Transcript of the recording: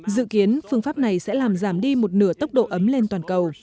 dự kiến phương pháp này sẽ làm giảm đi một nửa tốc độ ấm lên toàn cầu